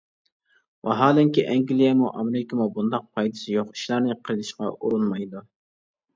ۋاھالەنكى، ئەنگلىيەمۇ، ئامېرىكىمۇ بۇنداق پايدىسى يوق ئىشلارنى قىلىشقا ئۇرۇنمايدۇ.